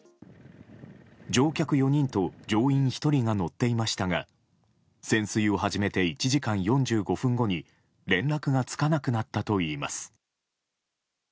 乗客４人と乗員１人が乗っていましたが潜水を始めて１時間４５分後に連絡がつかなくなったといいます。